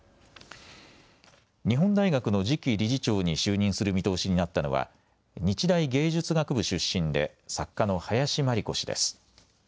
日本大学の次期理事長に就任する見通しになったのは日大芸術学部出身で作家の林真理子氏です。